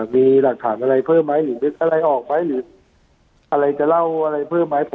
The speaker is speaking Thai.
มีหลักฐานอะไรเพิ่มไหมหรือนึกอะไรออกไหมหรืออะไรจะเล่าอะไรเพิ่มไหม